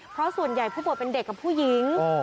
เพราะส่วนใหญ่ผู้ป่วยเป็นเด็กกับผู้หญิง